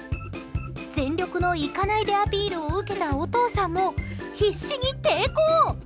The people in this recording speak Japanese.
全力の行かないでアピールを受けたお父さんも必死に抵抗。